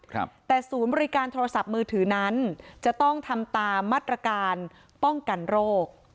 ครับแต่ศูนย์บริการโทรศัพท์มือถือนั้นจะต้องทำตามมาตรการป้องกันโรค